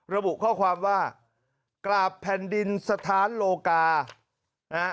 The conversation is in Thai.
ระบุข้อความว่ากราบแผ่นดินสถานโลกานะฮะ